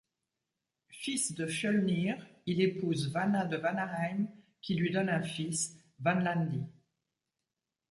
Fils de Fjölnir, il épouse Vana de Vanaheim qui lui donne un fils, Vanlandi.